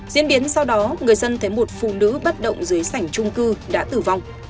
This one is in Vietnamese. diễn biến sau đó người dân thấy một phụ nữ bất động dưới sảnh trung cư đã tử vong